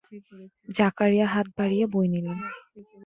জাকারিয়া হাত বাড়িয়ে বই নিলেন।